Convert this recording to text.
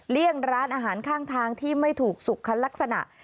เลี่ยงร้านอาหารข้างทางที่ไม่ถูกสุขลักษณะ